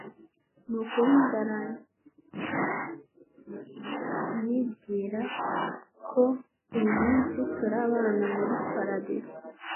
Ni ukuri ndalnibwira ko uyu munsi turabana muri Paradizo.